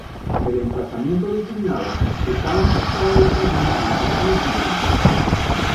El emplazamiento designado estaba a un costado del camino hacía Fontibón.